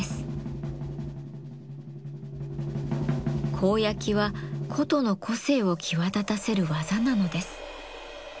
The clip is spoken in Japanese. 甲焼きは箏の個性を際立たせる技なのです。